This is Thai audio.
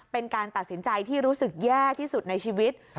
เป็นการตัดสินใจที่รู้สึกแย่ที่สุดในชีวิต